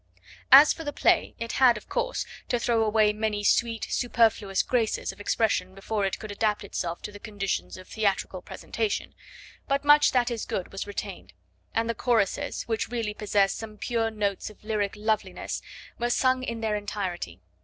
As for the play, it had, of course, to throw away many sweet superfluous graces of expression before it could adapt itself to the conditions of theatrical presentation, but much that is good was retained; and the choruses, which really possess some pure notes of lyric loveliness, were sung in their entirety.